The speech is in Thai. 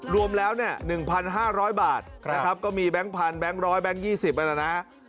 รวมแล้วเนี่ย๑๕๐๐บาทนะครับก็มีแบงค์พันแบงค์ร้อยแบงค์๒๐นั่นแหละนะ